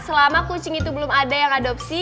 selama kucing itu belum ada yang adopsi